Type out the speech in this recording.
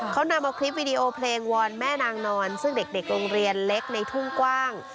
เขานำเอาคลิปวิดีโอเพลงวอนแม่นางนอนซึ่งเด็กโรงเรียนเล็กในทุ่งกว้าง